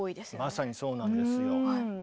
まさにそうなんですよ。